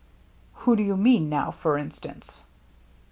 " Who do you mean now, for instance